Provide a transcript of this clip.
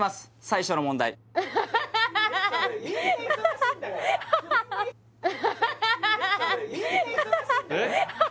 最初の問題・えっ？